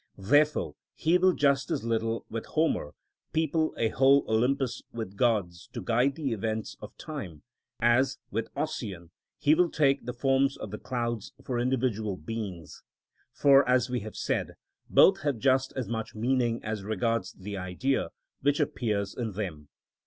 Therefore he will just as little, with Homer, people a whole Olympus with gods to guide the events of time, as, with Ossian, he will take the forms of the clouds for individual beings; for, as we have said, both have just as much meaning as regards the Idea which appears in them.